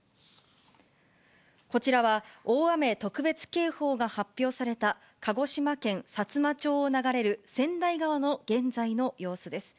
こちらは大雨特別警報が発表された、鹿児島県さつま町を流れる川内川の現在の様子です。